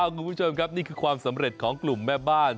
คุณผู้ชมครับนี่คือความสำเร็จของกลุ่มแม่บ้าน